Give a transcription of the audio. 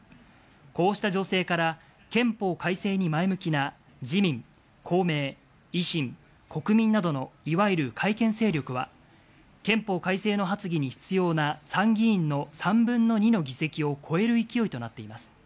こうした情勢から憲法改正に前向きな自民、公明、維新、国民などのいわゆる改憲勢力は憲法改正の発議に必要な参議院の３分の２の議席を超える勢いとなっています。